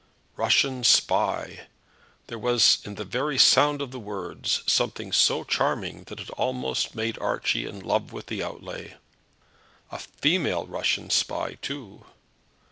Russian spy! There was in the very sound of the words something so charming that it almost made Archie in love with the outlay. A female Russian spy too!